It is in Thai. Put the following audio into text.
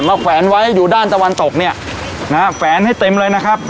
แขวนไว้อยู่ด้านตะวันตกเนี่ยนะฮะแขวนให้เต็มเลยนะครับ